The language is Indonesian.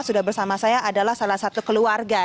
yang masih belum bersama saya adalah salah satu keluarga